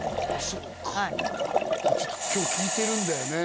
そうかはいこれちょっと今日聞いてるんだよね？